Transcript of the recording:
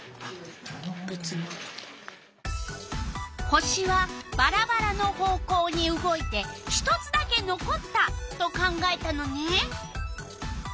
星はばらばらの方向に動いて１つだけのこったと考えたのね。